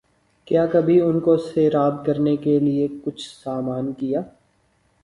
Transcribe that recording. کیا کبھی ان کو سیراب کرنے کیلئے کچھ سامان کیا